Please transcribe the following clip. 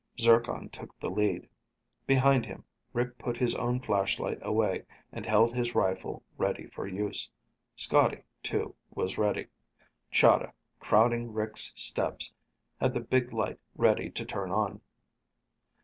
Zircon took the lead. Behind him, Rick put his own flashlight away and held his rifle ready for use. Scotty, too, was ready. Chahda, crowding Rick's steps, had the big light ready to turn on.